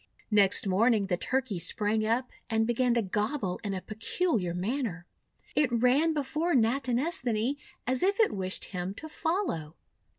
Next morning the Turkey sprang up and began to gobble in a peculiar manner. It ran before Natinesthani as if it wished him to follow.